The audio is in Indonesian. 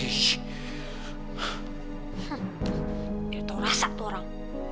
ya tau rasa tolong